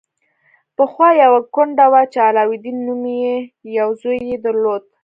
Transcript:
پخوا یوه کونډه وه چې علاوالدین نومې یو زوی یې درلود.